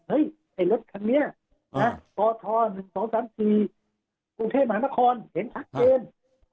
เฮ้ยไอ้รถทางนี้จอโทร๑๒๓๔ปรุงเทพหมานครเห็นทักเกณฑ์